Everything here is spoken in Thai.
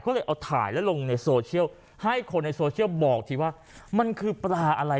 ก็เลยเอาถ่ายแล้วลงในโซเชียลให้คนในโซเชียลบอกทีว่ามันคือปลาอะไร